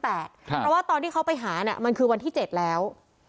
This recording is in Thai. เพราะว่าตอนที่เขาไปหามันคือวันที่๗แล้ว